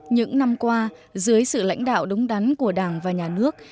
những năm qua dưới sự lãnh đạo đúng đắn của đảng và nhà nước